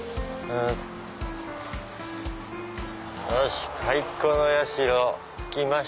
よし！